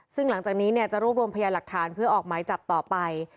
ซึ่งหลังจากนี้จะรวบรวมพยานหลักฐานเพื่อออกหมายจับต่อไป